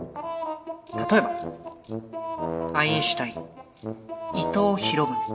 例えばアインシュタイン伊藤博文。